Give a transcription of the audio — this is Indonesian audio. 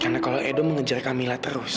karena kalau edo mengejar kamila terus